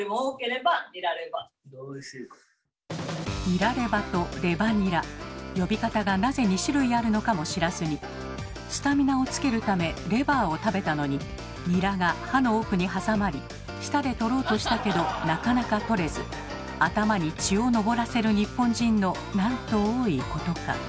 「ニラレバ」と「レバニラ」呼び方がなぜ２種類あるのかも知らずにスタミナをつけるためレバーを食べたのにニラが歯の奥に挟まり舌で取ろうとしたけどなかなか取れず頭に血を上らせる日本人のなんと多いことか。